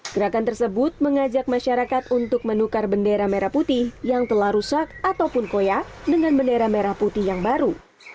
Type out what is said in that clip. gerakan tersebut mengajak masyarakat untuk menukar bendera merah putih yang telah rusak ataupun koya dengan bendera merah putih yang baru